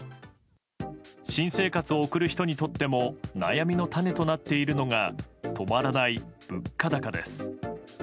新生活を送る人にとっても悩みの種となっているのが止まらない物価高です。